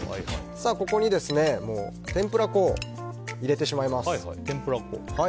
ここに天ぷら粉を入れてしまいます。